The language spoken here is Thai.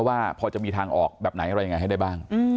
ว่าพอจะมีทางออกแบบไหนอะไรยังไงให้ได้บ้าง